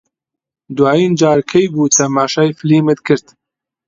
دوایین جار کەی بوو تەماشای فیلمت کرد؟